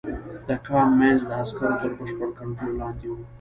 د کان منځ د عسکرو تر بشپړ کنترول لاندې و